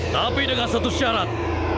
tapi dengan satu syarat